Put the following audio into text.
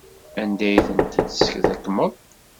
Anda ay ten-id-tesrekmeḍ?